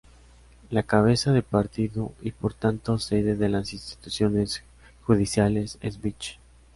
La cabeza de partido y por tanto sede de las instituciones judiciales es Vich.